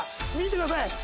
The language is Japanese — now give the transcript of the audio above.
見てください